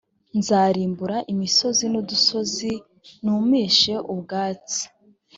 nzarimbura imisozi n’udusozi numishe ubwatsi